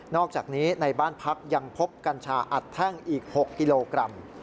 อกจากนี้ในบ้านพักยังพบกัญชาอัดแท่งอีก๖กิโลกรัม